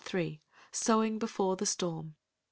SOWING BEFORE THE STORM.